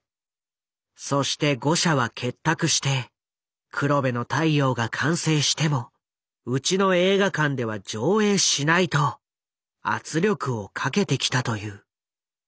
そして５社は結託して「『黒部の太陽』が完成してもうちの映画館では上映しない」と圧力をかけてきたという。